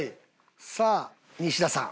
さあ西田さん。